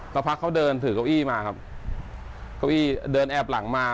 สักพักเขาเดินถือเก้าอี้มาครับเก้าอี้เดินแอบหลังมา